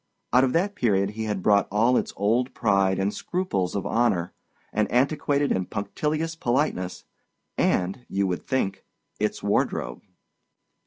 Out of that period he had brought all its old pride and scruples of honor, an antiquated and punctilious politeness, and (you would think) its wardrobe.